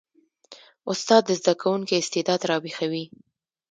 استاد د زده کوونکي استعداد راویښوي.